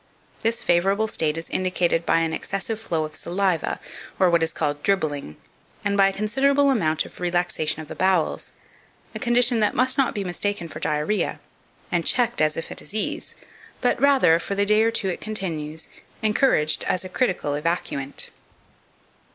This favourable state is indicated by an excessive flow of saliva, or what is called "dribbling," and by a considerable amount of relaxation of the bowels a condition that must not be mistaken for diarrhoea, and checked as if a disease, but rather, for the day or two it continues, encouraged as a critical evacuant.